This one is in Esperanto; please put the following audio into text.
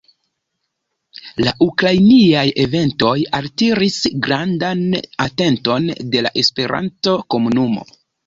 La ukrainiaj eventoj altiris grandan atenton de la Esperanto-komunumo.